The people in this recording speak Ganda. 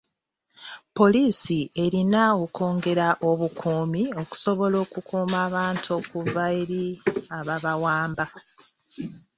Poliisi erina okwongera obukuumi okusobola okukuuma abantu okuva eri ababawamba.